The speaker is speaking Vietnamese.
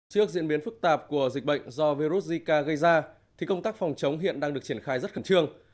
trước diễn biến phức tạp của dịch bệnh do virus zika gây ra thì công tác phòng chống hiện đang được triển khai rất khẩn trương